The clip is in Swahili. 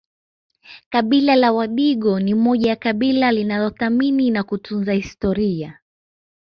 Kabila la wadigo ni moja ya kabila linalothamini na kutunza historia